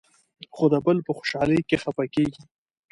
خو د بل په خوشالۍ کې خفه کېږي.